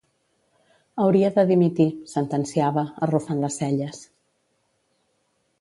Hauria de dimitir, sentenciava, arrufant les celles.